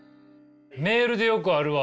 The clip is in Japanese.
メールでよくあるわ。